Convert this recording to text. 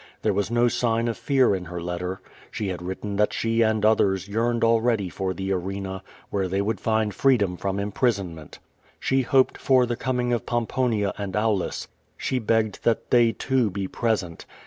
There was no sign of fear in her letter. She had written that slie and others yearned already for the aretia, where they would find freedom from imprisonment. She hoped for the coming of Pomponia and Aulus. She begged that they, too, be present.